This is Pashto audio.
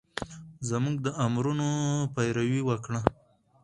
زمونږ د امرونو پېروي وکړه